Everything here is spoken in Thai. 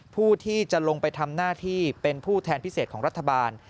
ผู้ที่จะลงไปทำหน้าที่เป็นผู้แทนพิเศษของรัฐบาล